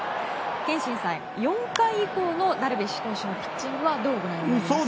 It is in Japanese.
憲伸さん、４回以降のダルビッシュ投手のピッチングはどうご覧になりますか？